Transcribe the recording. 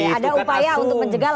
ada upaya untuk menjegal